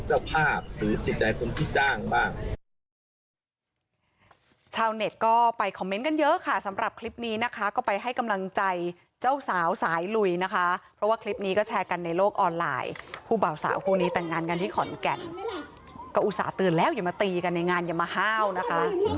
ขอให้นักคุณสิทธิใจของเจ้าภาพหรือสิทธิใจของพี่จ้างบ้าง